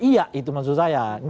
iya itu maksud saya